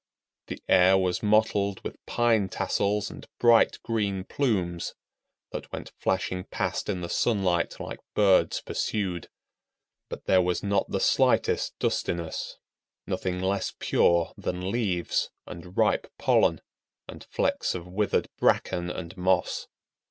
The air was mottled with pine tassels and bright green plumes, that went flashing past in the sunlight like birds pursued. But there was not the slightest dustiness, nothing less pure than leaves, and ripe pollen, and flecks of withered bracken and moss.